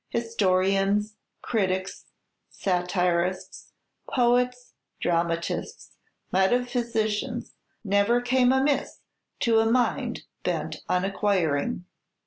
Historians, critics, satirists, poets, dramatists, metaphysicians, never came amiss to a mind bent on acquiring.